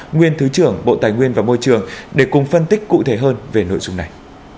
nguyên thứ trưởng bộ tài nguyên và môi trường để cùng phân tích cụ thể hơn về nội dung này